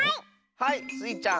はいスイちゃん。